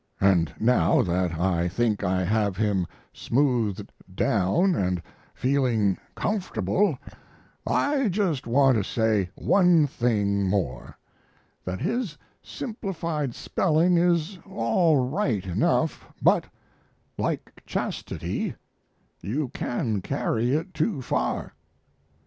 And now that I think I have him smoothed down and feeling comfortable I just want to say one thing more that his simplified spelling is all right enough, but, like chastity, you can carry it too far.